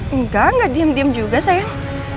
enggak gak diem diem juga sayang